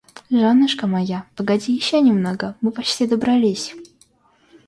Жёнушка моя, погоди ещё немного, мы почти добрались.